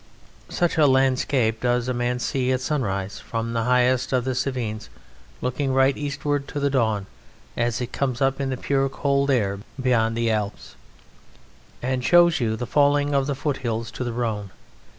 Such a landscape does a man see at sunrise from the highest of the Cevennes looking right eastward to the dawn as it comes up in the pure and cold air beyond the Alps, and shows you the falling of the foothills to the Rhone.